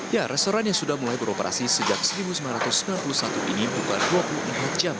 ya restoran yang sudah mulai beroperasi sejak seribu sembilan ratus sembilan puluh satu ini buka dua puluh empat jam